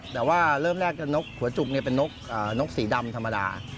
แต่ว่าเริ่มแรกนกหัวจุกเป็นนกสีดำธรรมดา